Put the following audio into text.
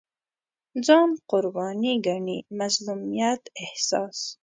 ځان قرباني ګڼي مظلومیت احساس